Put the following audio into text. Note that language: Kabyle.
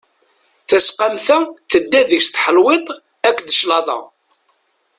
Tasqamt-a tedda deg-s tḥelwiḍt akked claḍa.